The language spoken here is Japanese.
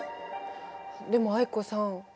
でも藍子さん。